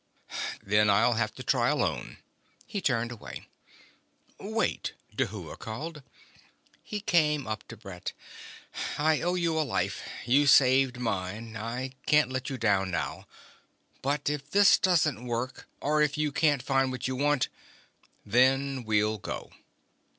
"Then I'll have to try alone." He turned away. "Wait," Dhuva called. He came up to Brett. "I owe you a life; you saved mine. I can't let you down now. But if this doesn't work ... or if you can't find what you want " "Then we'll go."